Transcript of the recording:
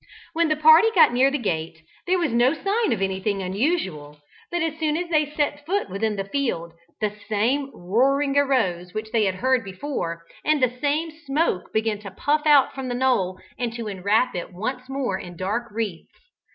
When the party got near the gate, there was no sign of anything unusual, but as soon as they set foot within the field, the same roaring arose which they had heard before, and the same smoke began to puff out from the knoll and to enwrap it once more in dark wreaths.